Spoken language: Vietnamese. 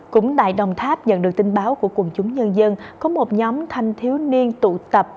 cũng tại đồng tháp nhận được tin báo của quần chúng nhân dân có một nhóm thanh thiếu niên tụ tập